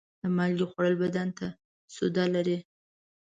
د مالګې خوړل بدن ته سوده لري.